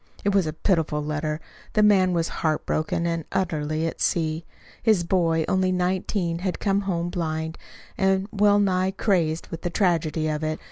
It was a pitiful letter. The man was heart broken and utterly at sea. His boy only nineteen had come home blind, and well nigh crazed with the tragedy of it.